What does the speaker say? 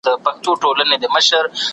کمزوري ګروپونه تر فشار لاندې وو.